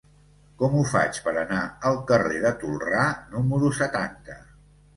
Com ho faig per anar al carrer de Tolrà número setanta?